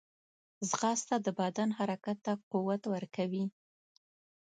ځغاسته د بدن حرکت ته قوت ورکوي